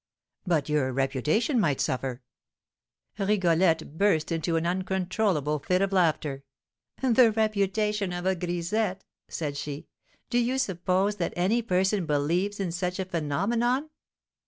"But your reputation might suffer." Rigolette burst into an uncontrollable fit of laughter. "The reputation of a grisette!" said she. "Do you suppose that any person believes in such a phenomenon?